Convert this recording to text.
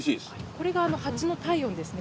これがハチの体温ですね。